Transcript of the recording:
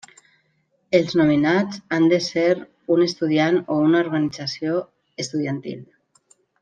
Els nominats han de ser un estudiant o una organització estudiantil.